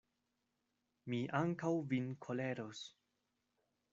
Mi ankaŭ vin koleros.